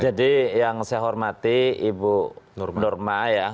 jadi yang saya hormati ibu nurma ya